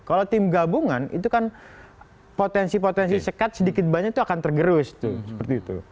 kalau tim gabungan itu kan potensi potensi sekat sedikit banyak itu akan tergerus tuh seperti itu